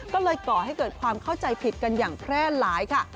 ก็เลยก่อให้เกิดความเข้าใจผิดกันอย่างแพร่หลายค่ะ